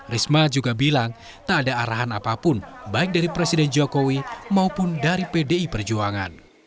risma juga bilang tak ada arahan apapun baik dari presiden jokowi maupun dari pdi perjuangan